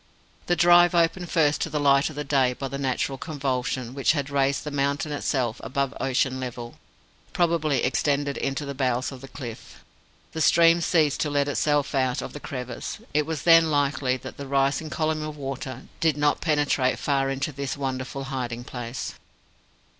The drive, opened first to the light of the day by the natural convulsion which had raised the mountain itself above ocean level, probably extended into the bowels of the cliff. The stream ceased to let itself out of the crevice; it was then likely that the rising column of water did not penetrate far into this wonderful hiding place.